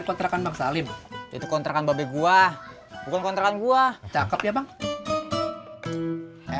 itu kontrakan bang salim itu kontrakan babi gua bukan kontrakan gua cakep ya emang iya